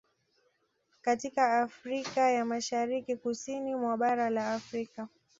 Katika Afrika ya Mashariki na Kusini mwa bara la Afrika